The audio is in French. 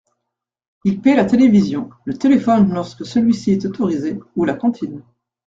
Ils paient la télévision, le téléphone lorsque celui-ci est autorisé, ou la cantine.